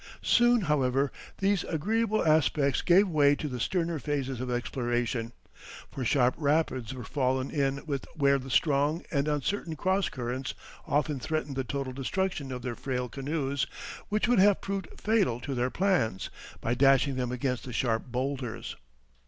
Soon, however, these agreeable aspects gave way to the sterner phases of exploration, for sharp rapids were fallen in with where the strong and uncertain cross currents often threatened the total destruction of their frail canoes, which would have proved fatal to their plans, by dashing them against the sharp bowlders.